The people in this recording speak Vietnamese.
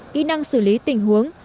kỹ năng xử lý tình huống